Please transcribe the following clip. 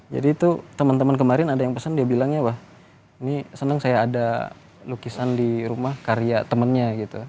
jadi itu teman teman kemarin ada yang pesan dia bilangnya wah ini seneng saya ada lukisan di rumah karya temennya gitu